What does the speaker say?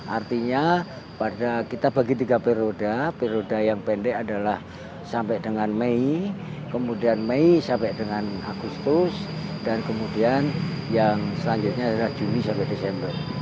artinya pada kita bagi tiga periode periode yang pendek adalah sampai dengan mei kemudian mei sampai dengan agustus dan kemudian yang selanjutnya adalah juni sampai desember